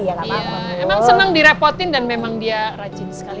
iya emang seneng direpotin dan memang dia rajin sekali